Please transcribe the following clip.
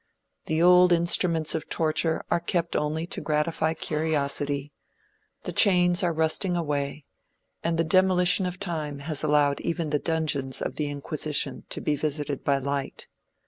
The old instruments of torture are kept only to gratify curiosity; the chains are rusting away, and the demolition of time has allowed even the dungeons of the Inquisition to be visited by light.